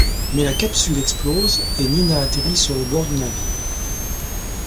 Mais la capsule explose, et Nina atterrit sur le bord du navire.